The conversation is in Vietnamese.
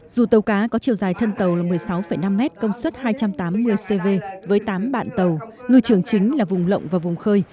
dù tàu cá có chiều dài thân tàu là một mươi sáu năm mét công suất hai trăm tám mươi cv với tám bạn tàu ngư trường chính là vùng lộng và vùng khơi